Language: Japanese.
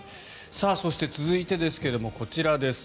そして、続いてですがこちらです。